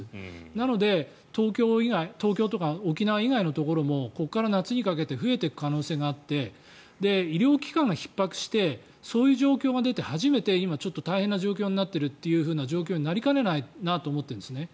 なので東京とか沖縄以外のところもここから夏にかけて増えていく可能性があって医療機関がひっ迫してそういう状況が出て初めて今、ちょっと大変な状況になっているという状況になりかねないなと思っているんですね。